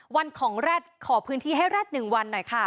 วันของแร็ดขอพื้นที่ให้แร็ด๑วันหน่อยค่ะ